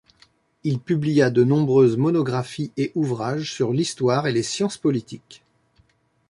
Il publia de nombreuses monographies et ouvrages sur l'histoire et les sciences politiques.